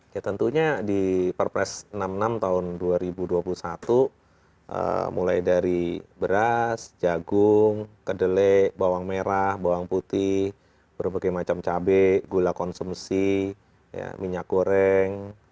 ya tentunya di perpres enam puluh enam tahun dua ribu dua puluh satu mulai dari beras jagung kedele bawang merah bawang putih berbagai macam cabai gula konsumsi minyak goreng